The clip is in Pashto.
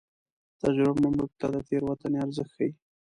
تجربه موږ ته د تېروتنې ارزښت ښيي.